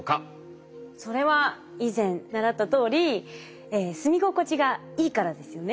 それは以前習ったとおり住み心地がいいからですよね。